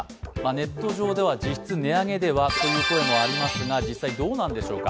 ネット上では実質値上げではという声もありますが実際、どうなんでしょうか。